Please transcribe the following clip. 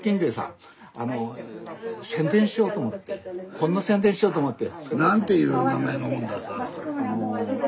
本の宣伝しようと思って。